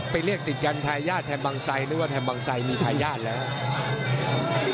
ไปเรียกติดจันทายาทแถมบังไซค์นึกว่าแถมบังไซค์มีทายาทแล้วนะ